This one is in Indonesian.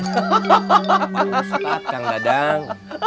kayak ustadz kan gak adang